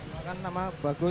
silahkan nama bagus